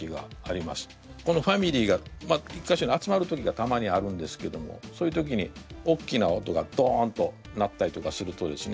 このファミリーが１か所に集まる時がたまにあるんですけどもそういう時におっきな音がドンと鳴ったりとかするとですね